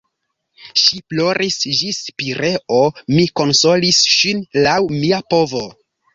Ŝi ploris ĝis Pireo, mi konsolis ŝin laŭ mia povo.